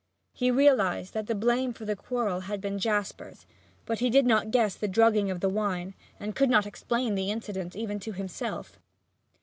He realized that the blame for the quarrel had been Jasper's, but he did not guess the drugging of the wine and could not explain the incident even to himself.